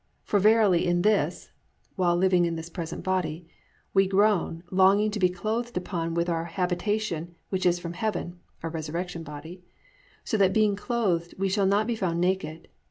For verily in this+ (i.e., while living in this present body) +we groan, longing to be clothed upon with our habitation which is from heaven+ (our resurrection body) +if so be that being clothed we shall not be found naked.